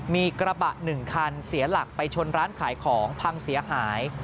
มีกระบะ๑คันเสียหลักไปชนร้านขายของพังเสียหาย